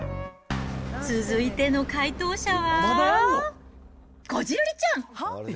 続いての解答者は、こじるりちゃん。